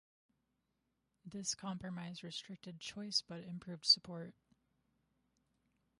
This compromise restricted choice but improved support.